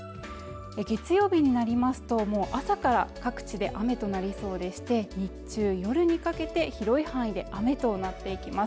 月曜日になりますともう朝から各地で雨となりそうでして日中夜にかけて広い範囲で雨となっていきます